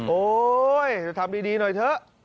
โอ๊ยจะทำดีหน่อยเถอะ